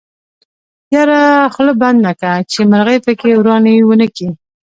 يره خوله بنده که چې مرغۍ پکې ورانی ونکي.